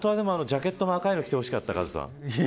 ジャケットも赤いの着てほしかった。